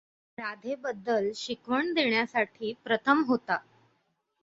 राधा बद्दल शिकवण देण्यासाठी प्रथम होते.